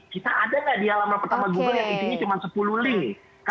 kita ada gak di alamat pertama google yang isinya cuman sepuluh link